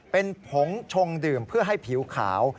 เป็นผงชงดื่มเพื่อให้ผิวขาว